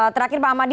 terakhir pak amadi